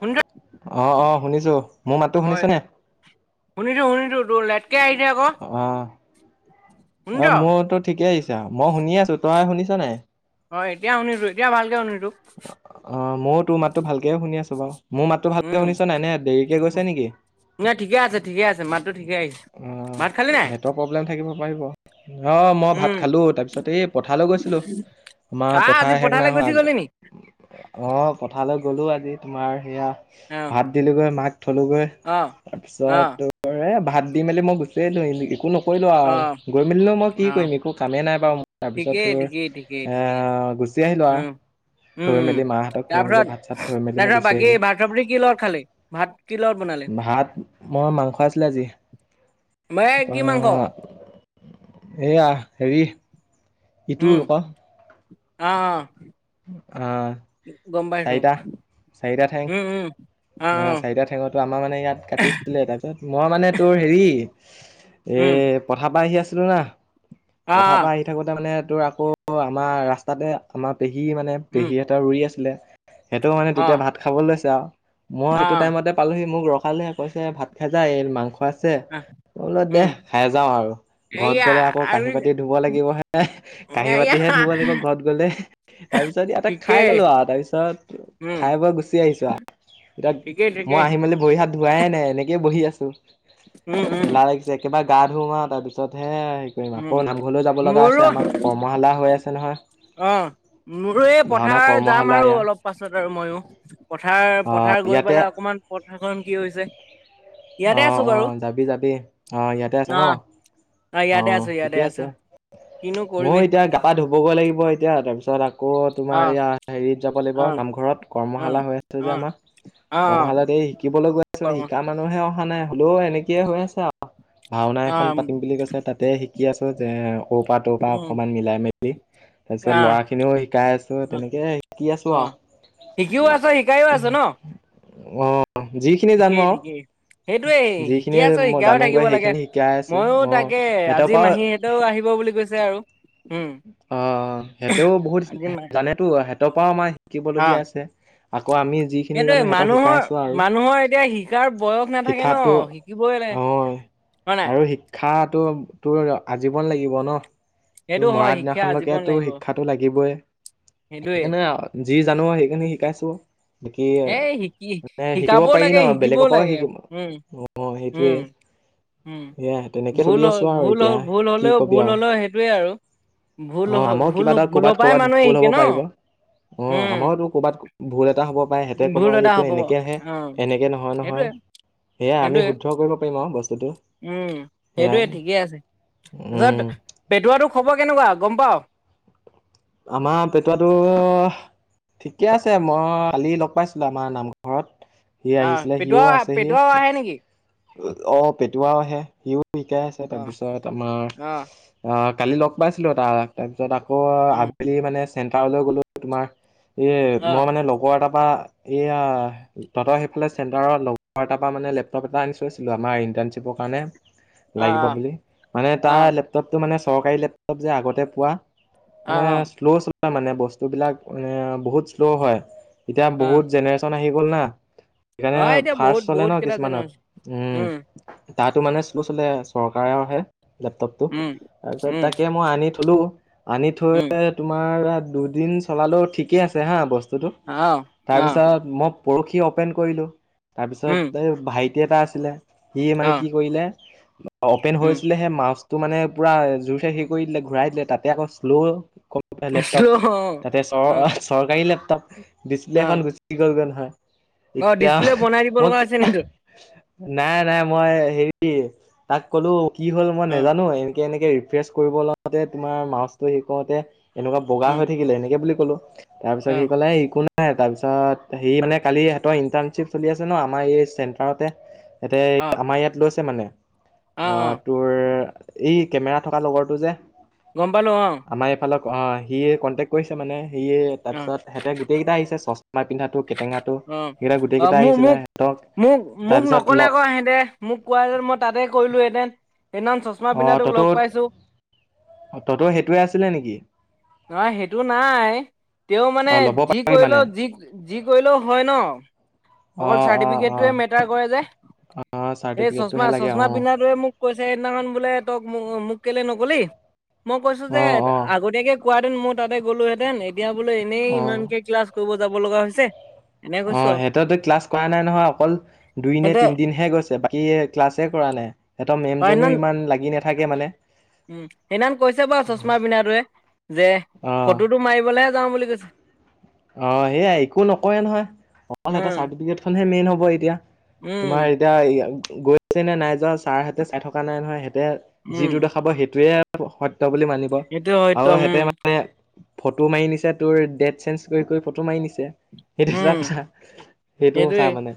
শুনিছ অ', অ', শুনিছো মোৰ মাতো শুনিছনে। শুনিছোঁ শুনিছোঁ তোৰ লাইটকৈ আহি আকৌ অ', শুনিছ অ', মোৰতো ঠিকে আহিছা মই শুনি আছো তই শুনিছ নাই। হয় এতিয়া শুনিলো এতিয়া ভালকে শুনিছোঁ। অ', ময়ো তোৰ মাতটো ভালকেও শুনি আছো বাৰু মোৰ মাতো ভালকে শুনিছ নাই নে দেৰিকে গৈছে নেকি। ন ঠিক আছে, ঠিকে আছে মাতটো ঠিক আহিছে। অ', ভাত খালি নাই নেটৱৰ্ক প্ৰব্লেম থাকিব পাৰিব অ', মই ভাত উম খালো তাৰ পিছত এই পথালৈ গৈছিলো আমাৰ আহ আজি পথাৰ শেষ নাই পথাৰলৈ হয় গুচি গলি নি অ', পথালৈ গ'লো আজি তোমাৰ সেয়া অ ভাত দিলোগৈ মাক থলোগৈ অ অ তাৰপিছত ভাত দি মেলি মই গুচিয়লো একো নক কৰিলোঁ অ আৰু গৈ মেলিলেও মই কি অ কৰিম একো কামেই নাই বাৰু তাৰ পিছত ঠিকেই তোৰ ঠিকেই ঠিকেই এ ঠিকেই গুচি আহিলো উম আৰু উম থৈ উম মেলি মাহঁতক থৈ মেলি তাৰপিছত ভাত চাত থৈ মেলি মই তাৰপিছত গুচি আহিলো। কিলাৰ বনে ভাত মই মাংস আছিলে আজি এই কি মাংস তপৰা এয়া হেৰি ইটো উম, আকৌ আহ অ'। অ', গম পাইছো চাৰিটা চাৰিটা ঠাইেং উম উম অ', চাৰিটা ঠেঙৰটো আমাৰ মানে ইয়াত কাটিছিলে তাৰপিছত মই মানে তোৰ হেৰি এ উম পথাৰ পৰা আহি আছিলো না অ পথাৰ অ পৰা আহি থাকোতে মানে তোৰ আকৌ আমাৰ ৰাস্তাতে আমাৰ পেহী মানে উম পেহী এটা ৰুই আছিলে সেইটো মানে অ তেতিয়া ভাত খাব লৈছে আৰু মই এইটো অ টাইমতে পালোহি মোক ৰখালে কৈছে ভাত খায় যা এই মাংস আছে বোল দে উম খাই যাওঁ আৰু ঘৰত এয়া গলে আকৌ আৰু কাঁহী পাতি ধুব লাগিব হে এ কাঁহী এয়া মাতিহে ধুব লাগিব ঘৰত গলে তাৰপিছত ইয়াতে খাই ঠিকেই গলো আৰু তাৰপিছত উম খাই বৈ গুচি আহিছো আহ এতিয়া ঠিকেই মই ঠিকেই আহি মেলি বৰি হাত ধোৱাইে নাই এনেকেই বহি আছো উম উম এেলা লাগি একেবাৰে গা ধুমাওঁ তাৰপিছতহে আকৌ উম নামঘৰলৈও যাব লগা আছে মোৰো আমাৰ কৰ্মশালা হৈ আছে নহয়। অ', মোৰ এই ভাওনা পথাৰ যাম কৰ্মশালা আৰু এয়া অলপ তাৰ পাছত আৰু মইয়ো পথাৰ আহ পথাৰ গৈ ইয়াতে পেলাই অকমান পথাৰখন কি হৈছে ইয়াতে আছো অ', বাৰু অ', যাবি যাবি অ ইয়াতে আছ অ ন। অ', ইয়াতেই আছো ইয়াতে ঠিকে আছো আছে কিনো ময়ো কৰিবি এতিয়া গা-পা ধুবগ লাগিব এতিয়া তাৰপিছত আকৌ অ তোমাৰ ইয়া হেৰিত যাব লাগিব অ নামঘৰত অ কৰ্মশালা হৈ আছে অ যে আমাৰ অ কৰ্মশালয়ত এই শিকিবলৈ গৈ আছো কৰ্ম শিকাম মানুহে অহা নাই হলেও এনেকে হৈ আছে ভাওনা অ এখন পাতিম বুলি কৈছে তাতে শিকি আছো যে ৰ পৰা তৰ পৰা উম অকমান মিলাই মেলি তাৰ পিছত আহ ল'ৰা খিনিও শিকাই আছো অ তেনেকে শিকি আছো অ আৰু শিকিও আছ শিকায়ও আছো ন। অ', যিখিনি জানো আৰু সেইটোৱেই যিখিনি শিকি আছো মই শিকাও জানোগৈ থাকিব লাগে সেইখিনি শিকাই আছো মইো অ' তাকে সিহঁতৰ আজি পৰাও মাহীহঁতেও আহিব বুলি কৈছে আৰু। উম অ', সিহঁতেও বহুত আজি মা জানেতো সিহঁতৰ পৰাও আমাৰ শিকিবলগীয়া আছে আকৌ আমি যিখিনি সেটোৱে জানো সিহঁতক মানুহৰ শিকাইছো আৰু মানুহৰ এতিয়া শিকাৰ বয়স নাথাকে শিক্ষাটো ন। অ' [unintelligible] হয় নাই আৰু শিক্ষাটো তোৰ আজীৱন লাগিব ন? তোৰ সেইটো মৰা হয় শিক্ষা দিনাখনলৈকে আজীৱন তো লাগিব শিক্ষাতটো লাগিব এ। সেইটোয়ে সেইকাৰণে আ যি জানো, সেইখিনি শিকাইছো। শিকি এ এই শিকি বা- মানে শিকিব শিকাবও পাৰি লাগে ন? শিকিবও বেলেগৰ পৰাও লাগে শিকম উম অ', সেইটোৱে। উম উম সেইয়া তেনেকে ভুল চলি হ আছো আৰু ভুল হ এতিয়া ভুল কি হলেও কবি ভুল আৰু। হলেও সেইটোয়ে আৰু ভুল অ', হ আমাৰো ভুল কিবা এটা ভুলৰ পৰাই কৰ'বাত-কৰ'বাত মানুহে ভুল শিকে হ'ব ন পাৰিব। অ', উম আমাৰো কৰ'বাত ভুল এটা হ'ব পায় সিহঁতে ক'ব ভুল এটা এইটো হ'ব বাৰু। এনেকে আহে অ এনেকে নহয়-নহয়। সেইটোয়ে সেয়াই আমি সেইটোয়ে শুদ্ধ কৰিব পাৰিম আউ বস্তুটো। উম সেয়াই সেইটোৱে ঠিকেই আছে। উম তাৰপিছত পেটুৱাটো খবৰ কেনেকুৱা গম পাৱ? আমাৰ পেটুৱাটো ঠিকে আছে। মই কালি লগ পাইছিলো আমাৰ নামঘৰত। সি আহ আহিছিলে, সিও পেটুৱা আছে, সি পেটুৱাও আহে তাৰপিছত নেকি অ', পেটুৱাও আহে, সিও শিকাই আছে। অ তাৰপিছত আমাৰ অ অ', কালি লগ পাইছিলো এতাক, তাৰপিছত আকৌ উম আবেলি মানে চেণ্টাৰলৈ গলো তোমাৰ এ অ মই মানে লগৰ এটাৰ পৰা এইয়া তহঁতৰ সেইফালে চেণ্টাৰৰ লগৰ এটাৰ পৰা মানে লেপটপ এটা আনি থৈছিলো, আমাৰ ইন্টাৰনশ্বিপৰ কাৰণে। অ লাগিব বুলি। মানে অ তাৰ লেপটপটো মানে চৰকাৰী লেপটপ যে আগতে পোৱা। অ অ মানে শ্ল' চলে মানে বস্তুবিলাক মানে বহুত শ্ল' হয়। এতিয়া অ বহুত জেনেৰে শ্যন আহি গল না, সেইকাৰণে অ এতিয়া ফাৰ্ষ্ট বহুত চলে বহুত ন কেইটা কিছুমানত। জেনেৰেচন উম। তাতো মানে শ্ল' চলে চৰকাৰৰহে। লেপটপটো উম তাৰপিছত উম তাকে মই আনি থলো আনি থৈ উম তোমাৰ দুদিন চলালো ঠিকেই আছে হা বস্তুটো। অ অ তাৰপিছত মই পৰশি অপেন কৰিলো। তাৰ উম পিছত এই ভাইটি এটা আছিলে সি মানে অ কি কৰিলে অপেন উম হৈছিলেহে মাউচ টো মানে পুৰা জোৰ চে হেৰি কৰি দিলে ঘূৰাই দিলে তাতে আকৌ শ্ল' লেপটপ তাতে অ চৰ চৰকাৰী লেপটপ, অ ডিচপ্লেখন গুচি গ'লগৈ নহয়। অ ডিচপ্লে বনাই এতিয়া দিব লগা মই আছে নেকি তোৰ? নাই-নাই মই হেৰি তাক ক'লো কি হ'ল মই অ নাজানো, এনেকে-এনেকে ৰিফ্ৰেছ কৰিব লওতে তোমাৰ মাউচটো হেৰি কৰোতে এনেকুৱা বগা উম হৈ থাকিলে। এনেকে বুলি ক'লো। তাৰ পিছত অ সি ক'লে একো নাই। তাৰপিছত সি মানে কালি সিহতৰ ইন্টাৰ্ণশ্বিপ চলি আছে ন আমাৰ এই চেন্টাৰতে। ইয়াতে অ আমাৰ ইয়াত লৈছে মানে। অ', তোৰ এই কেমেৰা থকা লগৰটো যে। গম পালো অ'। আমাৰ এইফালৰ অ', সিয়ে কণ্টেক্ট কৰিছে মানে। সিয়ে অ তাৰপিছত সিহঁতে গোটেই আহিছে চচমা পিন্ধাটো কেটেঙাটো। সেইকেইটা অ'-অ', গোটেইকেইটা আহিছিলে মোক-মোক, সিহঁতক মোক-মোক তাৰপিছত ল নকলে আকৌ ইহেঁতে। মোক কোৱা হেতেন মই তাতে কৰিলো হেতেন। সিদিনাখন চশমা পিন্ধা তোক লগ পাইছো। অ', তহতও সেইটোৱে আছিলে নেকি? নহয় সেইটো নাই। তেওঁ অ মানে ল'ব যি পাৰি মানে কৰিলেও যি-যি কৰিলেও হয় ন? অ অকল অ অ চাৰ্টিফিকেটটোৱে মেটাৰ কৰে যে। অ এই চাৰ্টিফিকেটটোহে লাগে অ চশমা-চশমা পিন্ধাটোৱে মোক কৈছে সেইদিনাখন বোলে তোক মোক কেলে নকলি মই কৈছো যে অ অ আগতীয়াকে কোৱাহেঁতেন মই তাতে গ'লোহেঁতেন। এতিয়া বোলে এনেই অ ইমানকে ক্লাছ কৰিব যাব লগা হৈছে। এনে কৈছো অ', আৰু সিহতেতো ক্লাছ কৰা নাই নহয় অকল দুইনে সিহঁতে তিন দিন হে গৈছে বাকী এ ক্লাছে কৰা নাই। সিহঁতৰ অ মেমজনীও সেইদিনাখন ইমান লাগি নাথাকে মানে। উম, সেইদিনাখন কৈছে বাৰু চশমা পিন্ধাটোৱে, যে অ ফটোটো মাৰিবলৈহে যাওঁ বুলি কৈছে। অ', সেয়াই একো নকৰে নহয়, অকল উম, চাৰ্টিফিকেট খনহে মেইন হব এতিয়া উম, তোমাৰ এতিয়া গৈছে নে নাই যোৱা ছাৰহতে চাই থকা নাই নহয় সিহঁতে উম, যিটো দেখাব সেইটোয়ে সত্য বুলি মানিব সেইটো হয়তো আৰু উম, হেতে মানে ফটো মাৰি নিছে তোৰ ডেট চেঞ্জ কৰি কৰি ফটো মাৰি নিছে সেইটো এটা উম, কথা সেইটো কথা সেইটোৱে মানে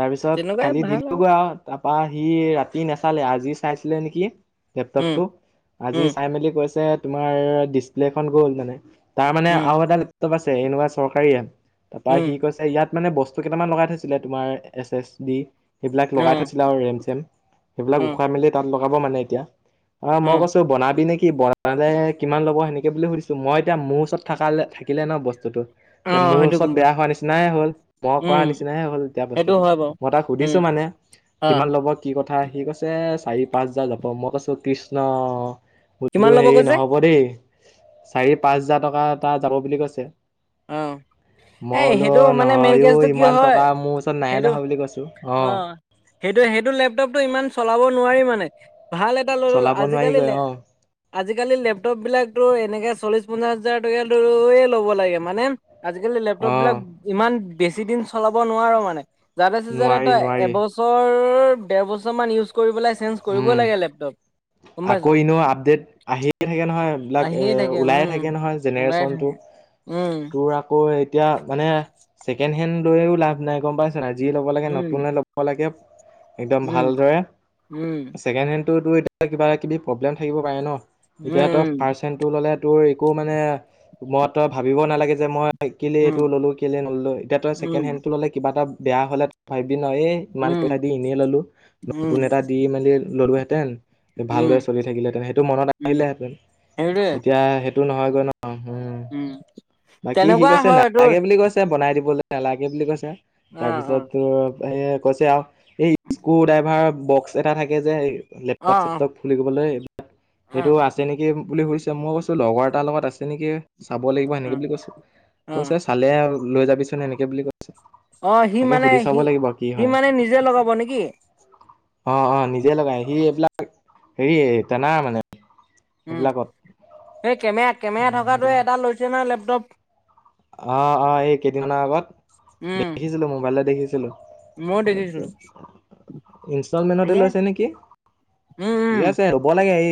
তাৰপিছত তেনেকুৱাই কালি ভাল দিলো গৈ আৰু তাৰপা সি ৰাতি নাচালে আজি চাইছিলে নেকি উম, লেপটপটো আজি উম, চাই মেলি কৈছে তোমাৰ ডিচপ্লেখন গ'ল মানে। তাৰ মানে উম, আৰু এটা লেপটপ আছে এনেকুৱা চৰকাৰীয়ে তাৰপৰা সি উম, কৈছে ইয়াত মানে বস্তু কেইটামান লগাই থৈছিলে তোমাৰ এছ এছ ভি সেইবিলাক লগাই অ', থৈছিলে আৰু ৰেম চেম সেইবিলাক অ', উখুৱাই মেলি তাত লগাব মানে এতিয়া। অ' মই কৈছো বনাবি নেকি বনালে কিমান ল'ব সেনেকে বুলি সুধিছো মই এতিয়া মোৰ ওচৰত থাকা হলে শিকিলে ন' বস্তুতটো এতিয়া অ', মোৰ সেইটো ওচৰত গম পাই বেয়া হোৱা নিচিনাহে হল, মই কৰা উম, নিচিনাহে হল এতিয়া সেইটো বস্তুটো। হয় বাৰু মই তাক উম, সুধিছো মানে অ', কিমান ল'ব কি কথা সি কৈছে চাৰি পাঁচ হাজাৰ যাব, মই কৈছো কৃষ্ণ। বোলো কিমান ল'ব হেৰি কৈছে নহ'ব দেই চাৰি পাঁচ হাজাৰ টকা এটা যাব বুলি কৈছে। উম। এ, মই বোলো সেইটো মানে মেইন নহয় অ কেছটো কি ইমান হয় টকা মোৰ ওচৰত নাই সেইটো নহয় বুলি কৈছো অ'। সেইটো সেইটো লেপটপটো ইমান চলাব নোৱাৰি মানে ভাল এটা লৈ লল চলাব নোৱাৰি আজিকালি গৈ অ আজিকালি লেপটপ বিলাকো এনেকে চল্লিশ পঞ্চাছ হাজাৰ টকায়ে ল'ব লাগে মানে আজিকালি লেপটপ অ বিলাক ইমান বেছি দিন চলাব নোৱাৰ মানে। জানে চ জান নোৱাৰি তই নোৱাৰি এবছৰ ডেৰ বছৰ মান ইউজ কৰি পেলাই চেন্স কৰিবই উম লাগে লেপটপ। গম আকৌ পাইছো এনেও আপডেট আহিয়ে থাকে নহয় এইবিলাক এ, আহিয়ে ওলায়ে উম থাকে নহয় ওলাই জেনেৰেশ্যনটো। থাকে উম তোৰ আকৌ এতিয়া মানে ছেকেণ্ড হেণ্ড লৈও লাভ নাই গম পাই নাই যি ল'ব লাগে উম নতুনে ল'ব লাগে একদম উম ভালদৰে উম। ছেকেণ্ড হেণ্ডটোতো তোৰ এতিয়া কিবা কিবি প্ৰব্লেম থাকিব পাৰে ন' এতিয়া তই উম ফাৰ্ষ্ট ললে তোৰ একো মানে ম-ভাবিব নালাগে যে মই কেলে এইটো ল'লো কেলে নলো এতিয়া তই ছেকেণ্ড উম হেণ্ডটো ললে কিবাটা বেয়া হ'লে ভাবিবি নয় এই উম ইমান উম পইচা দি এনেই ললো উম নতুন এটা দি মেলি ললোহেতেন উম ভালদৰে চলি থাকিলেেঁতেন সেইটো মনত উম আহিলেহেঁতেন সেইটোৱে এতিয়া সেইটো নহয়গৈ ন' উ, উম বাকী সি তেনেকুৱা কৈছে হয় তোৰ নালাগে বুলি কৈছে। বনাই দিবলৈ নালাগে বুলি কৈছে অ অ তাৰপিছত সে কৈছে আৰু এই স্ক্ৰু ড্ৰাইভাৰ বক্স এটা থাকে যে অ লেপটপ চেপটপ ফুলিগবলৈ অ সেইটো আছে নেকি বুলি সুধিছে, মই কৈছো লগৰ এটাৰ লগত আছে নেকি। চাব লাগিব সেনেকে বুলি কৈছোঁ, অ অ কৈছে চালে লৈ যাবিচোন এনেকে বুলি কৈছে। অ' সি তাকে মানে সুধি চাব সি লাগিব কি সি হয়। মানে নিজে লগাব নেকি? অ', অ' নিজে লগাই, সি এইবিলাক হেৰি টেনাৰ মানে উম, এইবিলাকত এই কেমেৰা কেমেৰা থকাটোৱে এটা লৈছে না লেপটপ। অ', অ' এই কেইদিনমানৰ আগত উম দেখিছিলো মোবাইলত দেখিছিলো। ময়ো দেখিছিলো ইনষ্টলমেন্টতে ঠিকে লৈছে নেকি উম ঠিকে উম আছে। ৰ'ব লাগে এই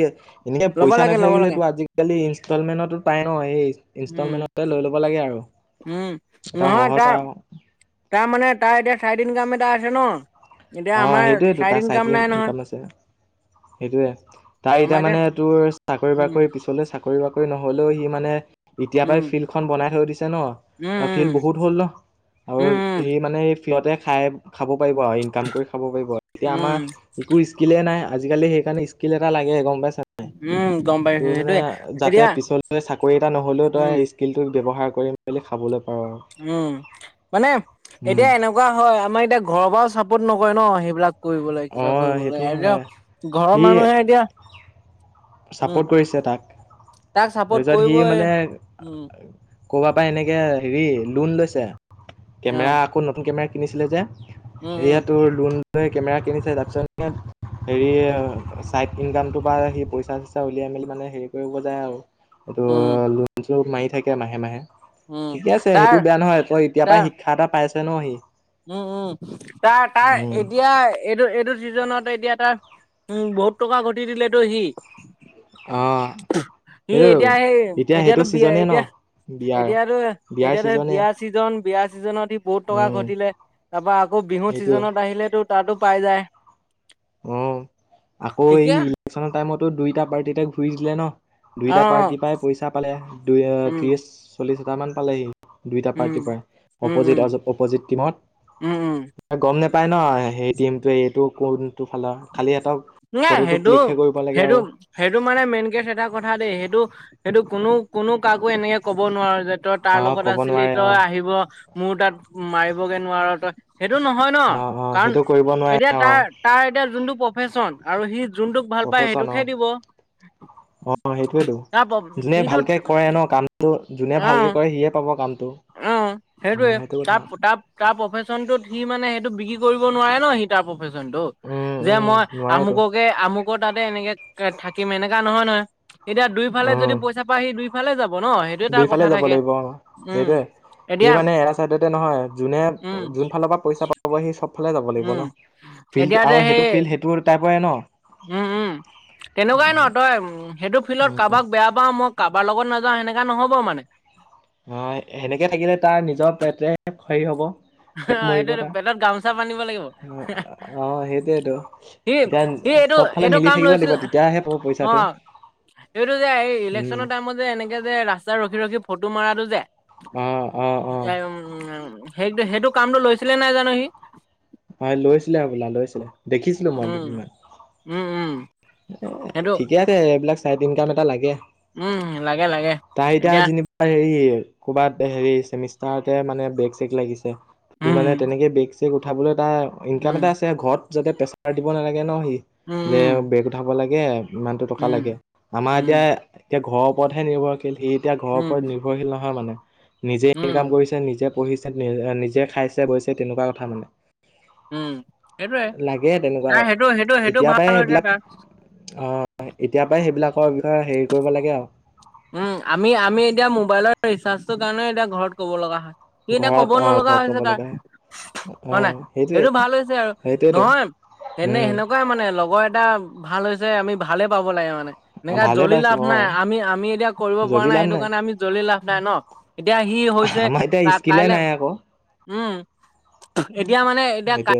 এনেকে ল'ব পইচা লাগে ল'ব নাথাকিলে লাগে তো আজিকালি ইনষ্টলমেন্টতো টাই অ' এই উম ইনষ্টলমেণ্টতে লৈ ল'ব লাগে আৰু। উম, এটা নহয় সহজ তাৰ আৰু তাৰ মানে তাৰ এতিয়া চাৰিদিন কাম এটা আছে ন'? এতিয়া অ' আমাৰ সেইটোয়েইটো চাইড তাৰ চাইট নাই নহয় ইনকাম আছে। সেইটোয়ে, তাই এতিয়া মানে তোৰ চাকৰি উম বাকৰি পিছত পিছলৈ চাকৰি বাকৰি নহ'লেও সি মানে এতিয়াৰ পাই উম ফিল্ডখন বনাই থৈ দিছে ন' উম উম তাৰ ফিল্ড বহুত হল ন'? আৰু উম সি মানে দিয়তে খাই খাব পাৰিব আৰু ইনকাম কৰি খাব পাৰিব, এতিয়া আমাৰ উম একো স্কিলেই নাই, আজিকালি সেইকাৰণে স্কিল এটা লাগে গম পাইছ উম, গম পাই। তোৰ মানে যাতে পিছলৈ চাকৰি এটা নহলেও উম তই কিলটো ব্যৱহাৰ কৰি মেলি খাবলৈ পাৰ। উম, মানে উম। এতিয়া এনেকুৱা হয় আমাৰ এতিয়া ঘৰৰ পৰাও চাপোৰ্ট নকৰে ন' সেইবিলাক। কৰিব লাগে কিবা অ' কৰিব সেইটো লাগে এতিয়া হয়, ঘৰৰ মানুহে এতিয়া উম ছাপৰ্ট কৰিছে তাক, তাক চাপোৰ্ট তাৰপিছত সি কৰিবই মানে উম ক'ৰবা পাই আহিলে কে হেৰি লোন লৈছা, অ কেমেৰা। আকৌ নতুন কেমেৰা কিনিছিলা যে, উম উম এয়া তোৰ লোন। এই কেমেৰা কিনিছে। তাৰপিছত পা হেৰি হয়, চাইড ইনকামটো পা সি পইচা। চাও চালু লিয়াই মানে, হেৰি কৰিব যায় আৰু এইটো উম লোন-চোন মাৰি থাকে মাহে মাহে। উম ঠিকে আছে, তাৰ সেইটো বেয়া নহয়। তই এতিয়াই পা তাৰ শিক্ষা এটা পাইছে ন সি। উম, উম, তাৰ তাৰ উম, এতিয়াই। এইটো এইটো চিজনত এতিয়া তাৰ উম, বহুত টকা ঘটি দিলেতটো সি। অ। সি সেইটো এতিয়া সেই, এতিয়া সেইটো এতিয়াতো বিয়া ছিজনে ন এতিয়া। বিয়াৰ এতিয়াাতো, বিয়াৰ এতিয়াতো ছিজনে বিয়া। চিজন বিয়া চিজনত সি বহুত টকা উম ঘটিলে। তাৰ পৰা আকৌ বিহুত সেইটোৱে ছিজনত আহিলেতো। তাতো পাই যায়। অ' আকৌ ই তেতিয়া ইলেকচন টাইমতো দুইটা পাৰ্টিটে ঘূৰি দিলে ন। অ অ দুইটা পাৰ্টি পাই পইচা পালে, উম ত্ৰিশ চল্লিশ হাজাৰ মান পালে ই। দুয়োটা উম পাৰ্টীৰ পৰাই, উম অপজিট উম অজিত অপজিট কিমান। উম উম গম নোপাই ন, সেইদিনাটোৱ এইটো কোন? ফালা খালী এটা, নাই ফটোটো সেইটো ক্লিকহে কৰিব লাগে সেইটো আৰু। সেইটো মানে মেইন কেচ এটা কথা দেই। এইটো এইটো কোনো কোনো কাকো এনে ক'ব নোৱাৰো যে তাত। তাৰ অ লগত ক'ব আছিলি, নোৱাৰে অ তই আহিব, মোৰ তাত মাৰিবগে নোৱাৰ তই। সেইটো নহয় ন, অ অ কাৰণ সেইটো কৰিব এতিয়া নোৱাৰে অ তাৰ, তাৰ এতিয়া যোনটো প্ৰফেচন আৰু সি যোনটোক ভাল পায়, প্ৰফেচন অ সেইটোক হে দিব। অ, সেইটোৱেটো, তাৰ যোনে সিটো ভালকে কৰে ন কামটো, যোনে অ ভালকে কৰে, সিহে পাব কামটো। অ, উম সেইটোৱেই, সেইটো কথা তাৰ পুতাব তাৰ প্ৰফেশ্যনটোত, সি মানে সেইটো বিক্ৰী কৰিব নোৱাৰে ন, সি তাৰ প্ৰফেশ্যনটো। উম যে উম মই, নোৱাৰেতো আমুককে, আমুকৰ তাতে এনেকে থাকিম, এনেকোৱা নহয় নহয়। এতিয়া, দুইফালে উম যদি পইচা পায়, সি দুইফালে যাব ন, সেইটো তাৰ দুইফালে কথা যাব থাকে। লাগিব অ উম। সেইটোৱে সি এতিয়া মানে, এটা চাইডতে নহয়, যোনে, উম যোন ফালৰ পৰা পইচা পা পাব সি চবফালে যাব লাগিব ন, উম ফিল্ড এতিয়া যে আৰু সেইটো সেই ফিল্ড সেইটো টাইপৰে ন। উম, উম। তেনেকুৱাই ন, তই উম সেইটো ফিল্ডত কাৰোবাক বেয়া পাওঁ, মই কাৰোবাৰ লগত নাযাওঁ, সেনেকোৱা নহ'ব মানে। অ, সেনেকে থাকিলে তাৰ নিজৰ পেটহে হেৰি হব। পেট অ', এইটো মৰিব তাৰ, পেটত গামোচা বান্ধিব লাগিব অ, সেইটয়েইটো। সি এতিয়া, সি এইটো চবফালে এইটো মিলি কাম থাকিব লৈছিল লাগিব, তেতিয়াহে পাব পইচাটো। সেইটো যে, এই, উম ইলেকশ্যনৰ টাইমত যে এনেকে যে, ৰাস্তাত ৰখি ৰখি ফটো মাৰটো যে, অ অ অ সেই সেইটো, কামটো লৈছিলে নে নাই জানো সি? হয় লৈছিলে হবলা, লৈছিলে, দেখিছিলো মই উম দুদিনমান। উম, উম। এ সেইটো ঠিকে আছে এইবিলাক চাইড ইনকাম এটা লাগে উম। লাগে, লাগে, তাৰ এতিয়া যেনিবা হেৰি কৰ'ৰবাত হেৰি চেমিষ্টাৰতে মানে ব্ৰেগ চেক লাগিছে তোৰ মানে উম তেনেকে বেগ চেগ উঠাবলৈ এটা ইনকাম উম এটা আছে ঘৰত যাতে প্ৰেছাৰ দিব নালাগে ন সি যে উম বেৰ ক উঠাব লাগে ইমান টো টকা উম লাগে আমাৰ এতিয়া উম এতিয়া ঘৰৰ ওপৰত হে নিৰ্ভৰশীল সি এতিয়া উম ঘৰৰ উম ওপৰত নিৰ্ভ নয় মানে নিে উম নিজে পঢ়িছে, নিজে খাইছে বৈছে, তেনেকুৱা কথা মানে। উম সেইটোয়ে লাগে তেনেকুৱা, তাৰ সেইটো সেইটো সেইটো এতিয়া পৰাই ভাল হৈছে সেইবিলাক- তাৰ অ', এতিয়াৰ পৰাই সেইবিলাকৰ বিষয়ে হেৰি কৰিব লাগে আৰু। উম্, আমি, আমি এতিয়া মোবাইলৰ ৰিচাৰ্জটোৰ কাৰণে এতিয়া ঘৰত ক'ব লগা হয়। সি এতিয়া কব ঘৰত অ' নলগা ঘৰত হৈছে ক'ব তাৰ, লাগে হয় নাই। অ' সেইটোৱে সেইটো ভাল হৈছে আৰু, সেইটোৱেতো নহয় এনেই উম। সেনেকুৱাই মানে, লগৰ এটা ভাল হৈছে। আমি ভালে পাব লাগে মানে। এণেকা ভালে জ্বলি পাইছো লাভ নাই, অ' আমি-আমি এতিয়া কৰিব পৰা জ্বলি নাই, লাভ সেইটো কাৰণে আমি জ্বলি লাভ নাই ন'। এতিয়া সি হৈছে আমাৰ এতিয়া স্কিলে কা-কাইলে নাই আকৌ উম্, এতিয়া মানে, এতিয়া সেইটোৱে।